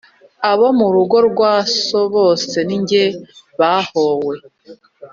Abo mu rugo rwa so bose ni jye bahowe.